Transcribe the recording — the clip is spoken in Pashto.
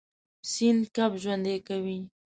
سیند کب ژوندی کوي.